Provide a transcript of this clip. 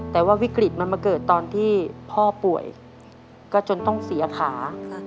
แต่ว่าวิกฤตมันมาเกิดตอนที่พ่อป่วยก็จนต้องเสียขา